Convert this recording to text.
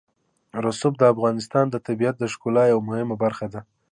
رسوب د افغانستان د طبیعت د ښکلا یوه مهمه برخه ده.